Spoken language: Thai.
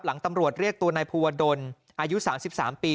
ตำรวจเรียกตัวนายภูวดลอายุ๓๓ปี